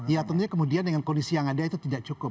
ya tentunya kemudian dengan kondisi yang ada itu tidak cukup